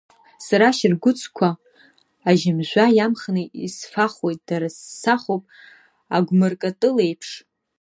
Сара ажьыргәыцқәа ажьымжәа иамхны исфахуеит, дара ссахуп, агәмыркатыл еиԥш…